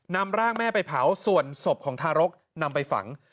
นำร่างแม่ไปเผาส่วนศพของทารกนำไปฝัง